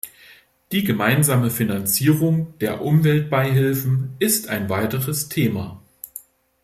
Die gemeinsame Finanzierung der Umweltbeihilfen ist ein weiteres Thema.